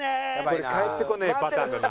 これ帰ってこねえパターンだな。